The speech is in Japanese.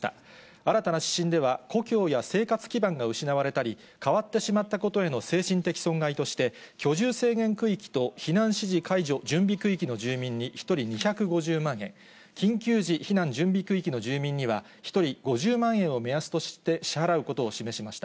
新たな指針では、故郷や生活基盤が失われたり、変わってしまったことへの精神的損害として、居住制限区域と避難指示解除準備区域の住民に１人２５０万円、緊急時避難準備区域の住民には１人５０万円を目安として支払うことを示しました。